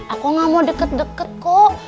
aku enggak mau dekat dekat kok